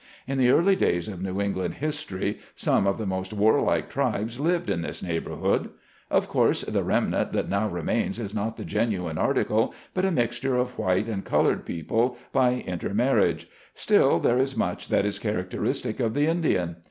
In the early days of New England history, some of the most war like tribes lived in this neighborhood. Of course, the remnant that now remains is not the genuine article, but a mixture of white and colored people, by intermar riage ; still there is much that is characteristic of the Indian.